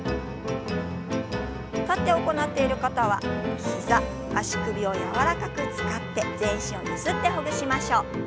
立って行っている方は膝足首を柔らかく使って全身をゆすってほぐしましょう。